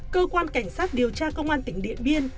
cơ quan cảnh sát điều tra công an tỉnh điện biên